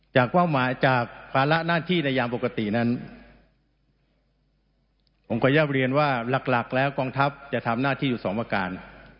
จากภาระหน้าที่ในยามปกตินั้นผมก็ย่าบเรียนว่าหลักและกองทัพจะทำหน้าที่อยู่สองประการ